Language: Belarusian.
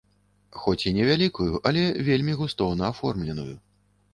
Хоць і невялікую, але вельмі густоўна аформленую.